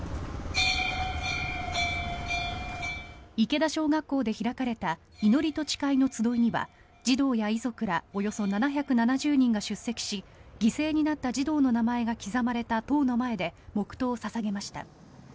池田小学校で開かれた祈りと誓いの集いには児童や遺族らおよそ７７０人が出席し犠牲になった児童の名前が刻まれた塔の前で黙祷を捧げました。